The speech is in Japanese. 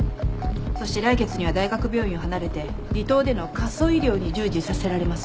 そして来月には大学病院を離れて離島での過疎医療に従事させられます。